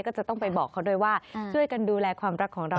ก็จะต้องไปบอกเขาด้วยว่าช่วยกันดูแลความรักของเรา